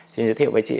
xin giới thiệu với chị